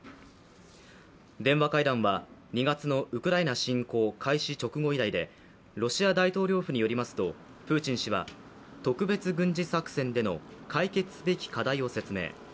電話会談は２月のウクライナ侵攻開始直後以来でロシア大統領府によりますとプーチン氏は特別軍事作戦での解決すべき課題を説明。